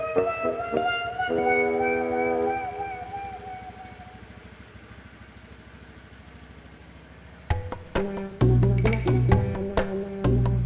biar neng aja yang ngerjain besok